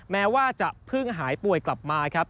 แม้ว่าจะเพิ่งหายป่วยกลับมาครับ